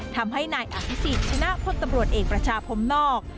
ทำให้นายอภิษฎชนะพลตำรวจเอกประชาพรมนอก